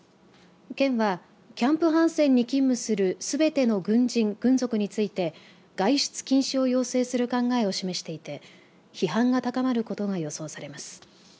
県はキャンプハンセンに勤務するすべての軍人、軍属について外出禁止を要請する考えを示していて批判が高まることが予想されます。